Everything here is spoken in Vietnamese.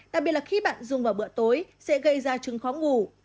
đặc biệt là khi bạn dùng vào bữa tối sẽ gây ra chứng khó ngủ